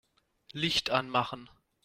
Licht anmachen.